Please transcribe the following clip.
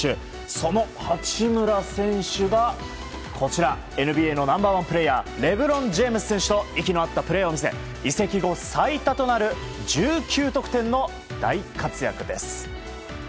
その八村選手がＮＢＡのナンバー１プレーヤーレブロン・ジェームズ選手と息の合ったプレーを見せ移籍後最多となる１９得点の大活躍です。